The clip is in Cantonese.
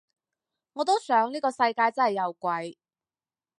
我都想呢個世界真係有鬼